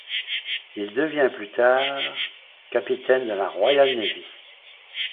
Il devient plus tard capitaine dans la Royal Navy.